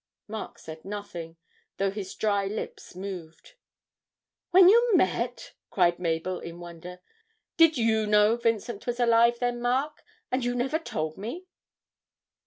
Mark said nothing, though his dry lips moved. 'When you met!' cried Mabel in wonder. 'Did you know Vincent was alive then, Mark? And you never told me!'